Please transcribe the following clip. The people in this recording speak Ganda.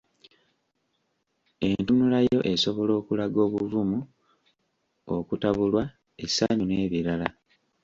Entunulayo esobola okulaga obuvumu ,okutabulwa, essanyu n’ebirala.